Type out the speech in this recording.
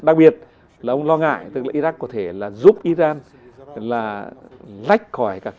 đặc biệt là ông lo ngại tức là iraq có thể là giúp iran là rách khỏi các cái